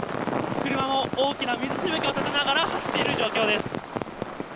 車も大きな水しぶきを立てながら走っている状況です。